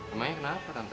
emangnya kenapa tante